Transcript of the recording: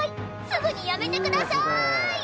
すぐにやめてください！